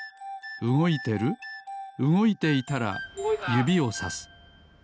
うごいていたらゆびをさす。